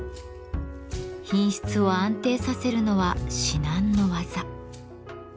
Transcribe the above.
品質を安定させるのは至難の技。